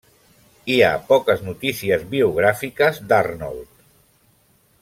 Hi ha poques notícies biogràfiques d'Arnold.